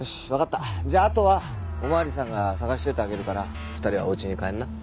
じゃああとはお巡りさんが捜しといてあげるから２人はお家に帰りな。